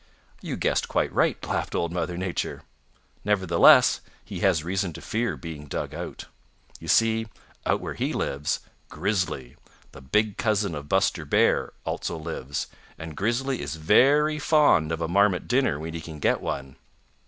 "You guessed quite right," laughed Old Mother Nature. "Nevertheless, he has reason to fear being dug out. You see, out where he lives, Grizzly, the big cousin of Buster Bear, also lives, and Grizzly is very fond of a Marmot dinner when he can get one.